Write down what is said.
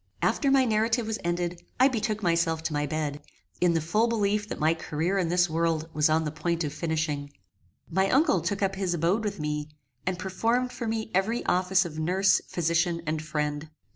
After my narrative was ended I betook myself to my bed, in the full belief that my career in this world was on the point of finishing. My uncle took up his abode with me, and performed for me every office of nurse, physician and friend.